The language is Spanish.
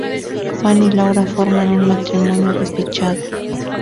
Juan y Laura forman un matrimonio desdichado.